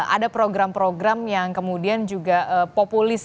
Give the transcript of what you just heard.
ada program program yang kemudian juga populis